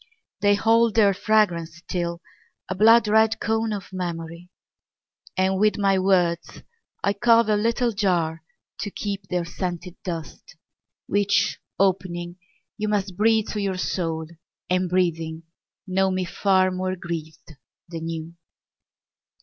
They hold their fragrance still, a blood red cone Of memory. And with my words I carve a little jar To keep their scented dust, Which, opening, you must Breathe to your soul, and, breathing, know me far More grieved than you.